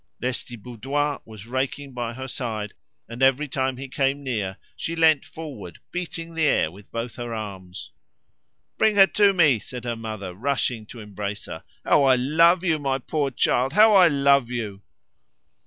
Lestiboudois was raking by her side, and every time he came near she lent forward, beating the air with both her arms. "Bring her to me," said her mother, rushing to embrace her. "How I love you, my poor child! How I love you!"